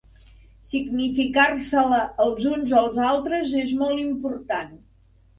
Significar-se-la els uns als altres és molt important.